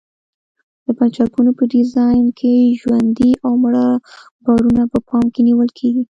د پلچکونو په ډیزاین کې ژوندي او مړه بارونه په پام کې نیول کیږي